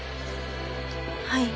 はい。